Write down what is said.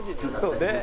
そうね。